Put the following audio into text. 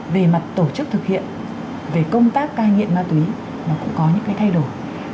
về mặt tổ chức thực hiện về công tác cai nghiện ma túy nó cũng có những cái thay đổi